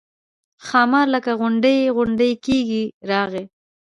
ښامار لکه غونډی غونډی کېږي راغی.